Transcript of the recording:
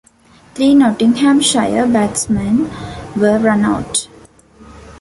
Three Nottinghamshire batsmen were run out.